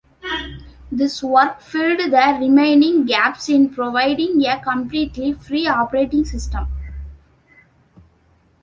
This work filled the remaining gaps in providing a completely free operating system.